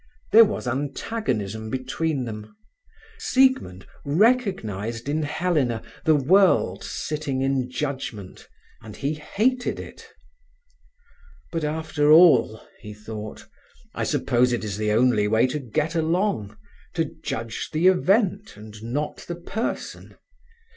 There was antagonism between them. Siegmund recognized in Helena the world sitting in judgement, and he hated it. "But, after all," he thought, I suppose it is the only way to get along, to judge the event and not the person.